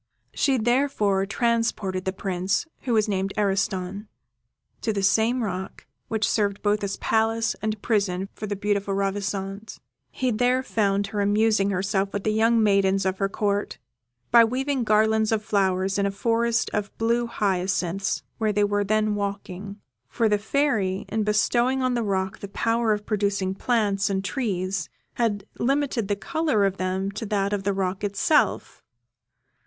She therefore transported the Prince, who was named Ariston, to the same rock which served both as palace and prison for the beautiful Ravissante. He there found her amusing herself with the young maidens of her Court, by weaving garlands of flowers in a forest of blue hyacinths, where they were then walking, for the Fairy, in bestowing on the rock the power of producing plants and trees, had limited the colour of them to that of the rock itself.